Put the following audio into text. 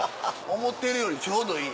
思ってるよりちょうどいい。